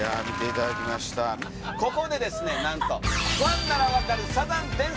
ここでですね何と。